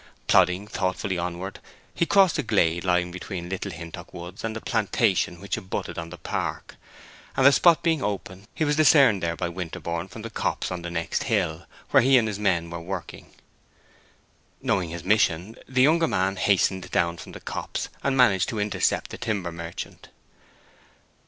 Plodding thoughtfully onward, he crossed a glade lying between Little Hintock Woods and the plantation which abutted on the park; and the spot being open, he was discerned there by Winterborne from the copse on the next hill, where he and his men were working. Knowing his mission, the younger man hastened down from the copse and managed to intercept the timber merchant.